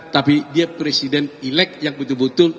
tapi dia presiden elek yang betul betul